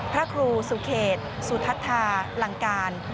พระครูสุเขตสุทัศธาลังการ